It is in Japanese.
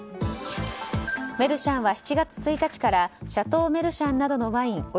メルシャンは７月１日からシャトー・メルシャンなどのワイン